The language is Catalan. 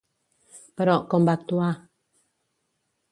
Però, com va actuar?